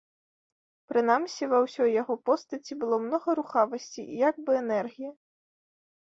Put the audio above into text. Прынамсі, ва ўсёй яго постаці было многа рухавасці і як бы энергіі.